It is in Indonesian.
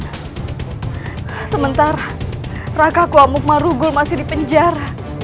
dan sementara raka kuamuk marugul masih dipenjar